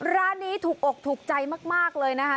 ร้านนี้ถูกอกถูกใจมากเลยนะคะ